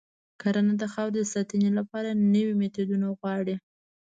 کرنه د خاورې د ساتنې لپاره نوي میتودونه غواړي.